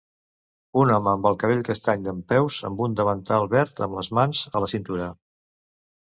Un home amb el cabell castany dempeus amb un davantal verd amb les mans a la cintura.